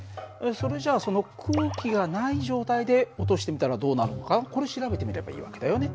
それじゃあその空気がない状態で落としてみたらどうなるのかこれ調べてみればいい訳だよね。